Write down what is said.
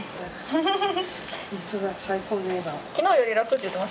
フフフフ。